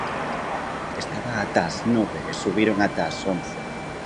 Estaba ata as nove e subiron ata as once.